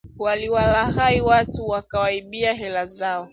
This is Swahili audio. Waliwalaghai watu wakawaibia hela zao